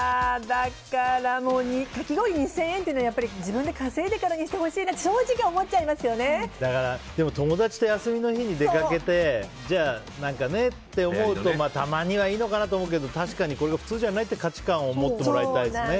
だからかき氷２０００円というのは自分で稼いでからにしてほしいなでも、友達と休みの日に出かけてって思うとたまにはいいのかなと思うけど普通じゃないっていう価値観を持ってもらいたいですね。